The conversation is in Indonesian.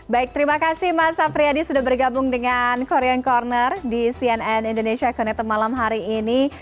baik terima kasih mas safriyadi sudah bergabung dengan korean corner di cnn indonesia connected malam hari ini